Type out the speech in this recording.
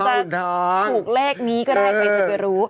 เผื่อบางคนจะถูกแรกนี้ก็ได้ใครจะไปรู้